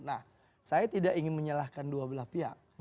nah saya tidak ingin menyalahkan dua belah pihak